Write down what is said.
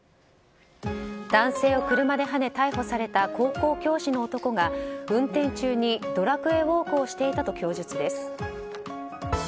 男性を車ではね、逮捕された高校教師の男が運転中に「ドラクエウォーク」をしていたと供述です。